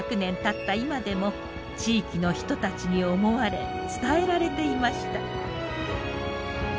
今でも地域の人たちに思われ伝えられていました。